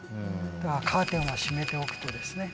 だからカーテンを閉めておくとですね